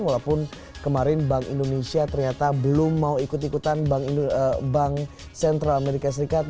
walaupun kemarin bank indonesia ternyata belum mau ikut ikutan bank sentral amerika serikat